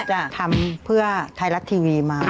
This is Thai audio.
จะทำเพื่อไทยรัฐทีวีมา